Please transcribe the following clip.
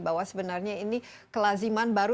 bahwa sebenarnya ini kelaziman baru